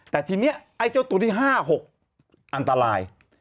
แต่ทีนี้ตัวที่๕รุ่น๖อันตราย